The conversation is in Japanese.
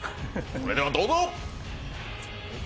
それではどうぞ。